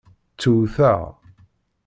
Ttewteɣ.